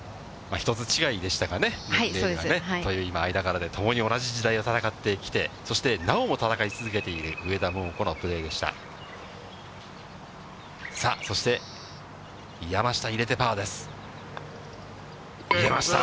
１つ違いでしたかね、年齢がね。という間柄で共に同じ時代を戦ってきて、そしてなおも戦い続けている上田桃子のプレーでした。